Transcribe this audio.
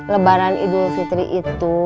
lebaran idul fitri itu